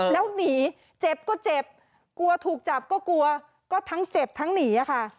แล้วหนีเจ็บก็เจ็บกลัวถูกจับก็กลัวก็ทั้งเจ็บทั้งหนีค่ะ